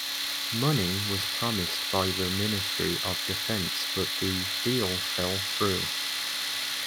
Money was promised by the Ministry of Defence but the deal fell through.